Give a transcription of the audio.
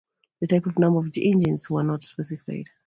The type and number of engines were not specified.